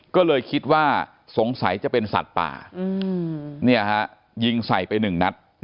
ก็เลยคิดว่าสงสัยจะเป็นสัตว์ป่ายิงใส่ไปหนึ่งนัด